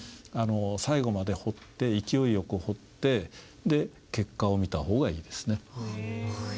最後まで彫って勢いよく彫ってで結果を見た方がいいですね。